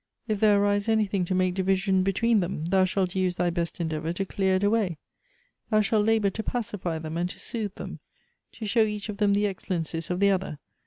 If there arise any thing to m.ake division between them, thou shalt use thy best endeavor to clear it away. Thou shalt labor to pacify them, and to soothe them ; to show each of them the excellencies of the other.